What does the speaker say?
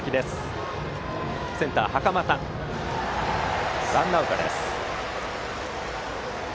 センター、袴田がつかんでワンアウトです。